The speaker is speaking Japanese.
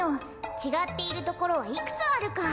ちがっているところはいくつあるか？